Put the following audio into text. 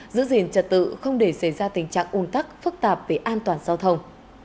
giữ gìn trả tự không để xảy ra tình trạng ung tắc phức tạp về an toàn giao thông